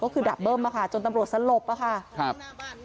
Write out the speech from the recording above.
ก็คือดับเบิ้ลมาจนตำรวจสลบ